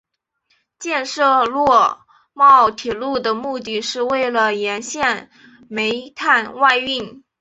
建设洛茂铁路的目的是为了沿线煤炭外运。